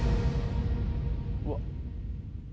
うわっ。